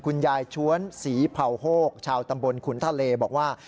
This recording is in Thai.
คุณยายช้วนศรีเผ่าโฮกชาวตำบลขุนทะเลบอกว่า